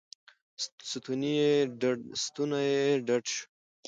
ستونی یې ډډ شو.